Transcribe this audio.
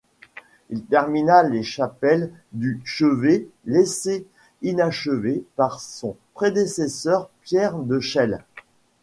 Il termina les chapelles du chevet, laissées inachevées par son prédécesseur Pierre de Chelles.